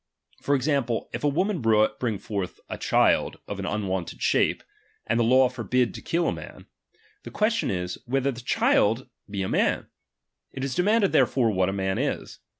For example, if a woman bring forth a child ^^H of an unwonted shape, and the law forbid to kill ^^H a man ; the question is, whether the child be a ^^H man. It is demanded therefore, what a man is.